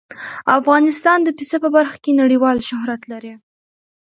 افغانستان د پسه په برخه کې نړیوال شهرت لري.